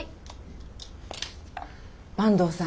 坂東さん